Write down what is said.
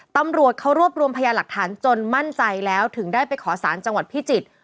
ตำรวจเขารวบรวมพยาหลักฐานจนมั่นใจแล้วถึงได้ไปขอสารจังหวัดพิจิตร